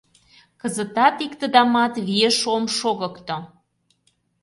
Кызытат иктыдамат виеш ом шогыкто!